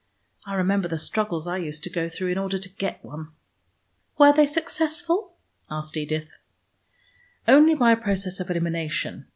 I remember the struggles I used to go through in order to get one." "Were they successful?" asked Edith. "Only by a process of elimination.